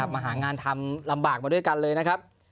มาหางานทำลำบากมาด้วยกันเลยนะครับ